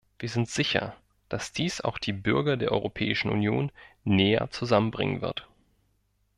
Wir sind sicher, dass dies auch die Bürger der Europäischen Union näher zusammenbringen wird.